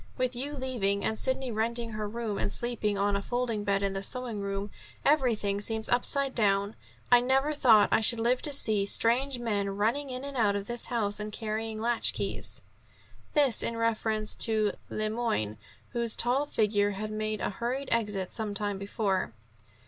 With you leaving, and Sidney renting her room and sleeping on a folding bed in the sewing room, everything seems upside down. I never thought I should live to see strange men running in and out of this house and carrying latch keys." This in reference to Le Moyne, whose tall figure had made a hurried exit some time before.